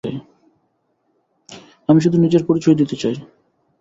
আমি শুধু নিজের পরিচয় দিতে চাই।